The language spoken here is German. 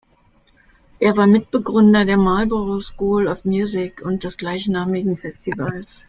Er war Mitbegründer der Marlboro School of Music und des gleichnamigen Festivals.